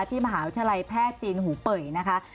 ที่มหาวิทยาลัยแพทย์จีนหูเป่ยนะคะ